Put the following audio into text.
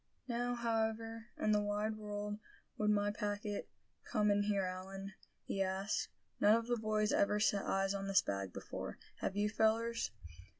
"Now, however in the wide world would my packet come in here, Allan?" he asked. "None of the boys ever set eyes on this bag before, have you, fellers?"